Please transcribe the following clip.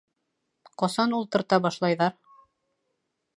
Ҡасан ултырта башлайҙар?